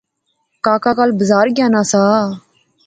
کاکا کل بزار گیا ناں سا